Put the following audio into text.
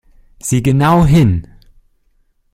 Sieh genau hin!